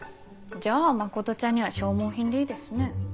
じゃあ真ちゃんには消耗品でいいですね。